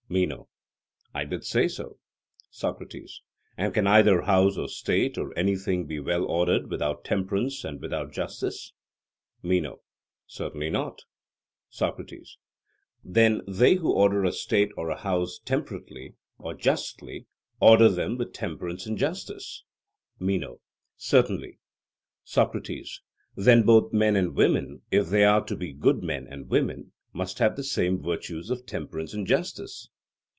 MENO: I did say so. SOCRATES: And can either house or state or anything be well ordered without temperance and without justice? MENO: Certainly not. SOCRATES: Then they who order a state or a house temperately or justly order them with temperance and justice? MENO: Certainly. SOCRATES: Then both men and women, if they are to be good men and women, must have the same virtues of temperance and justice?